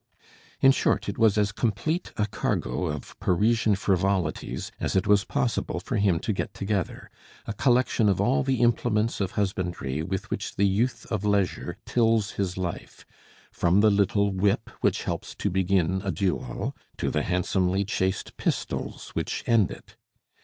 In short, it was as complete a cargo of Parisian frivolities as it was possible for him to get together, a collection of all the implements of husbandry with which the youth of leisure tills his life, from the little whip which helps to begin a duel, to the handsomely chased pistols which end it.